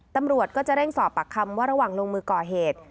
ตำรวจก็จะเร่งสอบปากคำว่าระหว่างลงมือก่อเหตุ